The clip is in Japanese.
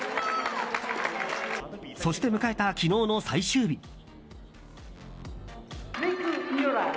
そして迎えた昨日の最終日。